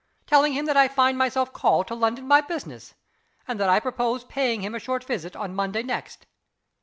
Telling him that I find myself called to London by business, and that I propose paying him a short visit on Monday next."